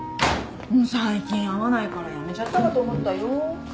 もう最近会わないから辞めちゃったかと思ったよ。